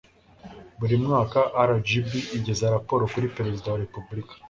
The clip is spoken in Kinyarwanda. buri mwaka, rgb igeza raporo kuri perezida wa repubulika